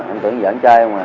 em tưởng giờ anh chơi không à